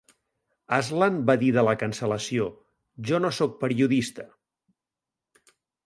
Aslan va dir de la cancel·lació: "Jo no sóc periodista".